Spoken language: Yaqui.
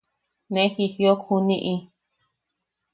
¡Ne jijiok juniʼi!